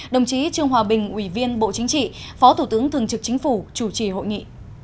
đồng chí trương hòa bình ủy viên bộ chính trị phó thủ tướng thường trực chính phủ chủ trì hội nghị